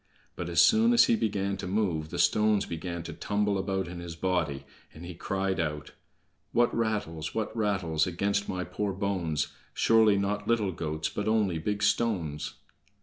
But as soon as he began to move, the stones began to tumble about in his body, and he cried out: "What rattles, what rattles Against my poor bones? Surely not little goats, But only big stones!"